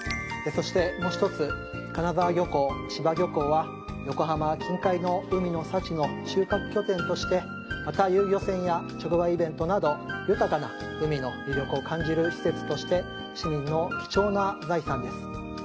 そしてもう一つ金沢漁港・柴漁港は横浜近海の海の幸の収穫拠点としてまた遊漁船や直売イベントなど豊かな海の魅力を感じる施設として市民の貴重な財産です。